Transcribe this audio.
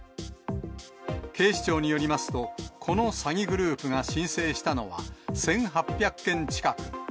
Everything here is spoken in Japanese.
警視庁によりますと、この詐欺グループが申請したのは、１８００件近く。